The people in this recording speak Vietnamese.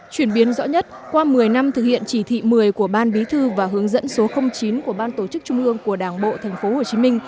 chuyển biến rõ nhất qua một mươi năm thực hiện chỉ thị một mươi của ban bí thư và hướng dẫn số chín của ban tổ chức trung ương của đảng bộ tp hcm